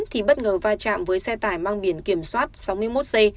thì bất ngờ va chạm với xe tải mang biển kiểm soát sáu mươi một c